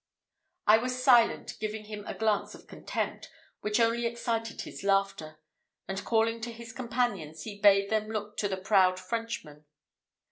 I was silent, giving him a glance of contempt, which only excited his laughter, and calling to his companions, he bade them look at the proud Frenchman.